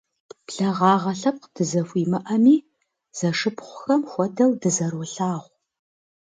Благъагъэ лъэпкъ дызэхуимыӏэми, зэшыпхъухэм хуэдэу дызэролъагъу.